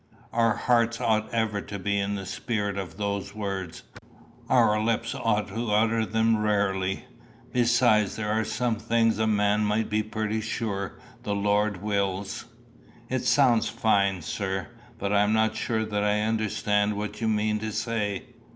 Our hearts ought ever to be in the spirit of those words; our lips ought to utter them rarely. Besides, there are some things a man might be pretty sure the Lord wills." "It sounds fine, sir; but I'm not sure that I understand what you mean to say.